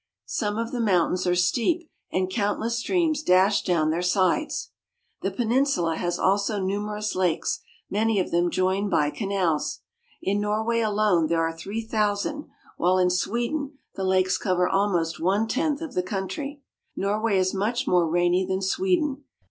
Some of the mountains are steep, and countless streams dash down their sides. The peninsula has also numerous lakes, many of them joined by canals. In Norway alone there are three thou sand, while in Sweden the lakes cover almost one tenth of the country. Norway is much more rainy than Sweden.